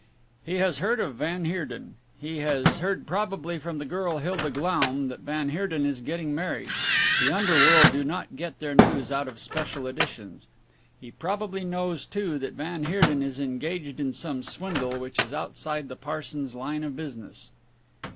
"He has heard of van Heerden. He has heard probably from the girl Hilda Glaum that van Heerden is getting married the underworld do not get their news out of special editions he probably knows too that van Heerden is engaged in some swindle which is outside the parson's line of business."